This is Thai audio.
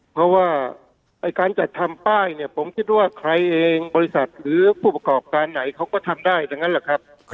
เพราะว่าการจัดทำป้ายเนี่ยผมคิดว่าใครเองบริษัทหรือผู้ประกอบการไหนเขาก็ทำได้ดังนั้นแหละครับ